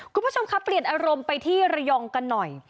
คุณผู้ชมครับเปลี่ยนอารมณ์ไปที่ระยองกันหน่อย